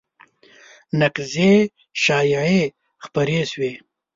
نقیضې شایعې خپرې شوې